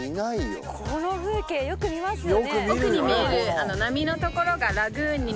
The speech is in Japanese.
この風景よく見ますよね